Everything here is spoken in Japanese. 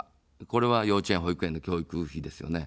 これは幼稚園、保育園の教育費ですよね。